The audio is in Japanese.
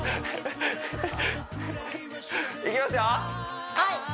いきますよー！